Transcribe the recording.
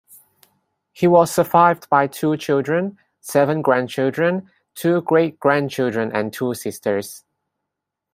He was survived by two children, seven grandchildren, two great-grandchildren and two sisters.